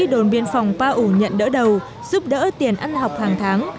bác sĩ đồn biên phòng pa u nhận đỡ đầu giúp đỡ tiền ăn học hàng tháng